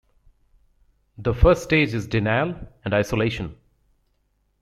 The first stage is denial and isolation.